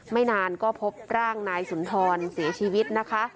ไม่นานก็พบร่างนายสุนทรเสียชีวิตนะคะ